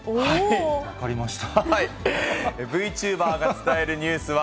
分かりました。